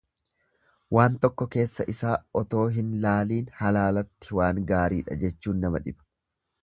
Waan tokko keessa isaa otoo hin laaliin halaalatti waan gaariidha jechuun nama dhiba.